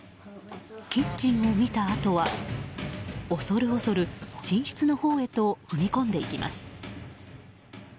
キッチンを見たあとは、恐る恐る寝室のほうへと踏み込んでいきます。